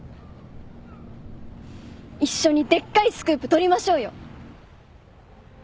一緒にでっかいスクープ取りましょうよ！